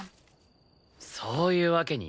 そういうわけにいくか。